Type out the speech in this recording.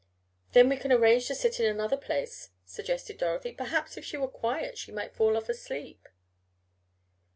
"Then we can arrange to sit in another place," suggested Dorothy. "Perhaps if she were quiet she might fall off asleep."